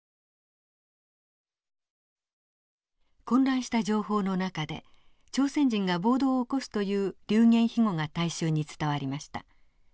混乱した情報の中で「朝鮮人が暴動を起こす」という流言飛語が大衆に伝わりました。